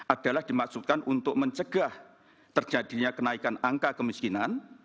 adalah dimaksudkan untuk mencegah terjadinya kenaikan angka kemiskinan